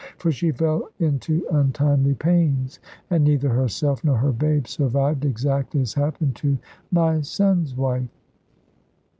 For she fell into untimely pains, and neither herself nor her babe survived, exactly as happened to my son's wife.